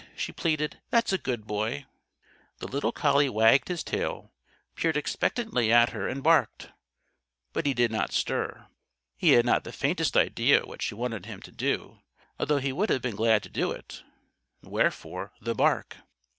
she pleaded. "That's a good boy!" The little collie wagged his tail, peered expectantly at her, and barked. But he did not stir. He had not the faintest idea what she wanted him to do, although he would have been glad to do it. Wherefore, the bark.